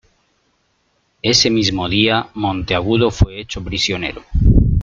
Ese mismo día Monteagudo fue hecho prisionero.